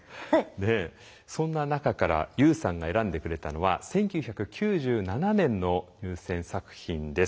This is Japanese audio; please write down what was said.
そんな中からＹＯＵさんが選んでくれたのは１９９７年の入選作品です。